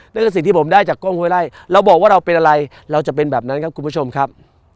นั่นคือสิ่งที่ผมได้จากกล้องห้วยไล่เราบอกว่าเราเป็นอะไรเราจะเป็นแบบนั้นครับคุณผู้ชมครับ